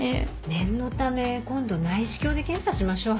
念のため今度内視鏡で検査しましょう。